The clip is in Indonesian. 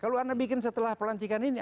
kalau anda bikin setelah pelantikan ini